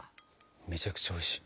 めちゃくちゃおいしい。